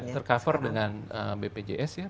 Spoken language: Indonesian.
tercover dengan bpjs ya